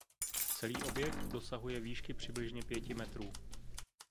Celý objekt dosahuje výšky přibližně pěti metrů.